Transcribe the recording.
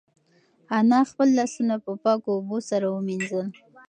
انا خپل لاسونه په پاکو اوبو سره ومینځل.